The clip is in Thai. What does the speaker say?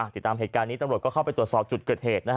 ติดตามเหตุการณ์นี้ตำรวจก็เข้าไปตรวจสอบจุดเกิดเหตุ